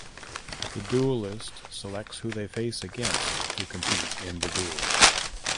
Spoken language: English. The duelist selects who they face against to compete in the duel.